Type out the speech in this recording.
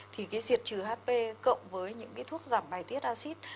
thì cái diệt trừ hp cộng với những cái thuốc giảm bài tiết acid